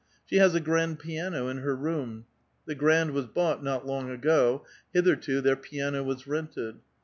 She has a grand piano in her room ; the grand was bought not long ago ; hitherto their piano was rented.